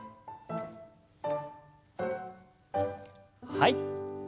はい。